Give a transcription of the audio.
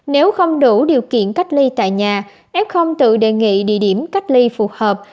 nếu không đủ điều kiện cách ly tại nhà f tự đề nghị địa điểm cách ly phù hợp